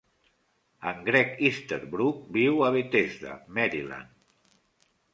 En Gregg Easterbrook viu a Bethesda, Maryland.